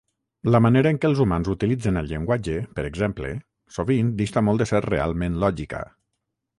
La manera en què els humans utilitzen el llenguatge, per exemple, sovint dista molt de ser realment lògica.